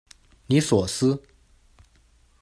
尼索斯。